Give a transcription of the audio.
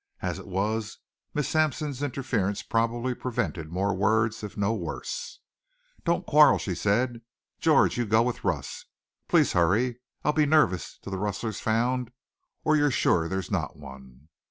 As it was, Miss Sampson's interference probably prevented more words, if no worse. "Don't quarrel," she said. "George, you go with Russ. Please hurry. I'll be nervous till the rustler's found or you're sure there's not one."